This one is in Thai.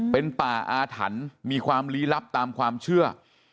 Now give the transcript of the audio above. เป็นป่าอาถรรพ์มีความลี้ลับตามความเชื่อ